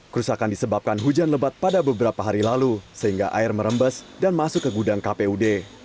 kerusakan disebabkan hujan lebat pada beberapa hari lalu sehingga air merembes dan masuk ke gudang kpud